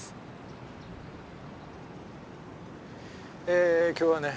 え今日はね